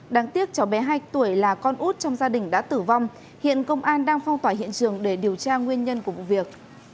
đáng tiếc cháu bé hai tuổi là con út trong gia đình đã tử vong hiện công an đang phong tỏa hiện trường để điều tra nguyên nhân của vụ việc